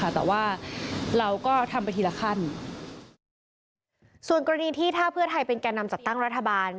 ส่วนกรณีที่ถ้าเพื่อไทยเป็นแก่นำจัดตั้งรัฐบาล